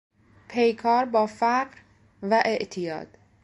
پیکار با فقر و اعتیاد